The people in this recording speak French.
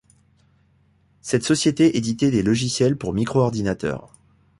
Cette société éditait des logiciels pour micro-ordinateurs.